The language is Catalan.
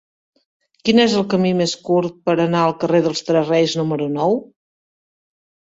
Quin és el camí més curt per anar al carrer dels Tres Reis número nou?